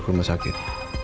ke rumah sakit